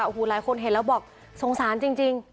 โอ้โหหลายคนเห็นแล้วบอกสงสารจริง